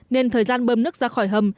nên thời gian bơm nước ra khỏi hầm